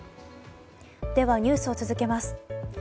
ニュースを続けます。